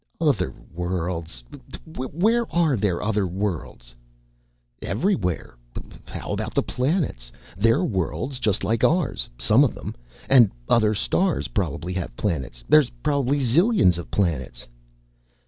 "Other worlds! Where are there other worlds?" "Everywhere. How about the planets? They're worlds just like ours, some of them. And other stars probably have planets. There's probably zillions of planets."